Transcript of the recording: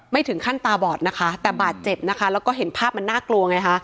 ไม่ถึงขั้นตาบอดนะคะแต่บาดเจ็บนะคะแล้วก็เห็นภาพมันน่ากลัวไงฮะ